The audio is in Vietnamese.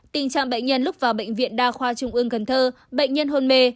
tình trạng bệnh nhân lúc vào bệnh viện đa khoa trung ương cần thơ bệnh nhân hôn mê